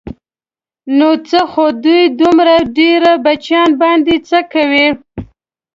نو څه خو دوی دومره ډېرو بچیانو باندې څه کوي.